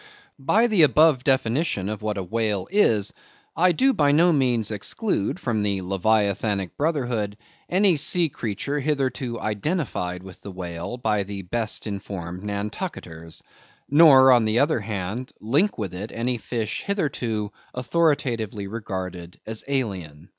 By the above definition of what a whale is, I do by no means exclude from the leviathanic brotherhood any sea creature hitherto identified with the whale by the best informed Nantucketers; nor, on the other hand, link with it any fish hitherto authoritatively regarded as alien.